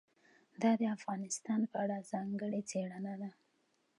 دا د افغانستان په اړه ځانګړې څېړنه ده.